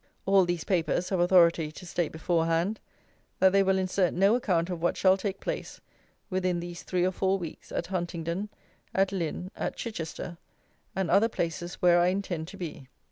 All these papers have "authority" to state beforehand, that they will insert no account of what shall take place, within these three or four weeks, at Huntingdon, at Lynn, at Chichester, and other places where I intend to be.